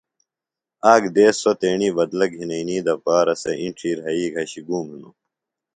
آک دیس سوۡ تیݨی بدلہ گِھنئنی دپارا سےۡ اِنڇی رھئی گھشیۡ گُوم ہِنوۡ